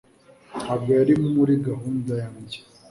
ntabwo yari muri gahunda yanjye